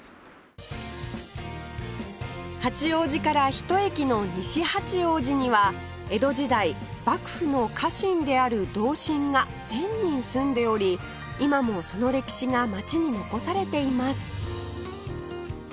八王子からひと駅の西八王子には江戸時代幕府の家臣である同心が１０００人住んでおり今もその歴史が街に残されています